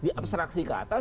di abstraksi ke atas